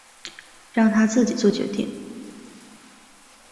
让他自己决定